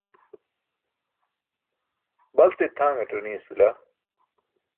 baltit tʰaṅatar niyas bila